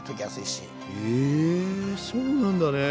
へえそうなんだね。